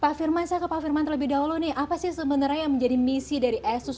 pak firman saya ke pak firman terlebih dahulu nih apa sih sebenarnya yang menjadi misi dari asus